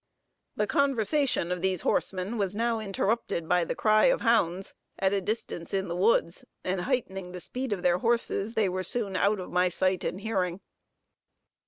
The conversation of these horsemen was now interrupted by the cry of hounds, at a distance in the woods, and heightening the speed of their horses, they were soon out of my sight and hearing.